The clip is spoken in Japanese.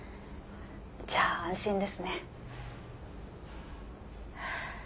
じゃあ安心ですね。